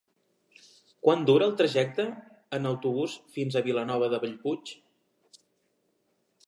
Quant dura el trajecte en autobús fins a Vilanova de Bellpuig?